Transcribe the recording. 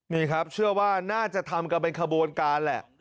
นี่ครับเชื่อว่าน่าจะทำกันเป็นขบวนการแหละ